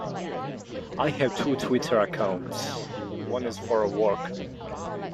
I have two Twitter accounts, one is for work.